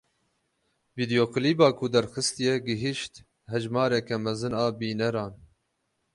Vîdeoklîba ku derxistiye gihîşt hejmareke mezin a bîneran.